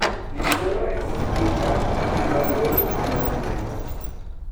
Li sola estas kulpa, li aldonis finante.